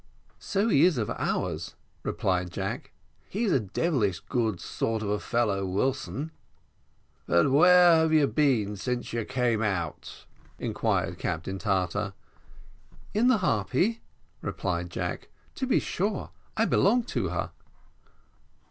"So he is of ours," replied Jack; "he's a devilish good sort of a fellow, Wilson." "But where have you been since you came out?" inquired Captain Tartar. "In the Harpy," replied Jack, "to be sure, I belong to her."